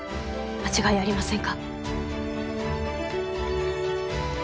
間違いありません。